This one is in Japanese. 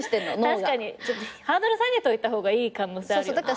確かにハードル下げといた方がいい可能性あるよね。